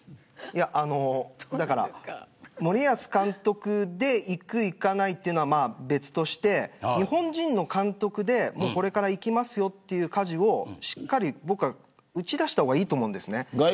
だから森保監督でいく、いかないというのは別として日本人の監督でこれからいきますというかじをしっかり打ち出した方がいいと思います。